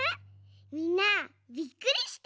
みんなびっくりした？